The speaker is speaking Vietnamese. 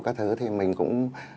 các thứ thì mình cũng